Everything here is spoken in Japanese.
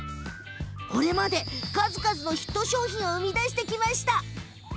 これまで、数々のヒット商品を生み出してきました。